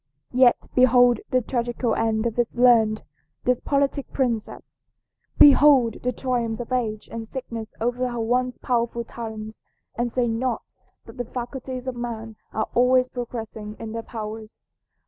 Yet behold the tragical end of this learned, this politic princess! Behold the triumphs of age and sickness over her once powerful talents, and say not that the faculties of man are always progressing in their powers.